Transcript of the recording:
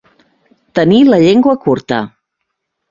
Tenir la llengua curta.